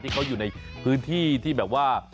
ที่เขาอยู่ในพื้นที่ที่แบบว่า